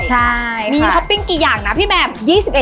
ใช่มีท็อปปิ้งกี่อย่างนะพี่แมม๒๑